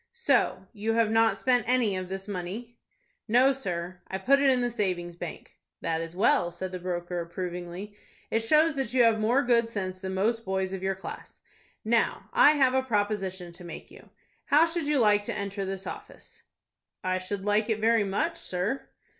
"So you have not spent any of this money?" "No, sir; I put it in the savings bank." "That is well," said the broker, approvingly. "It shows that you have more good sense than most boys of your class. Now I have a proposition to make to you. How should you like to enter this office?" "I should like it very much, sir."